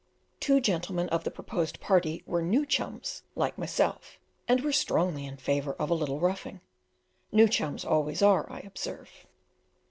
Two gentlemen of the proposed party were "new chums" like myself, and were strongly in favour of a little roughing; new chums always are, I observe.